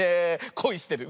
こいしてる。